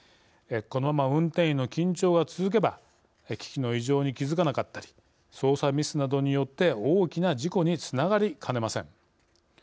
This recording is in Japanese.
このまま運転員の緊張が続けば機器の異常に気づかなかったり操作ミスなどによって大きな事故につながりかねません。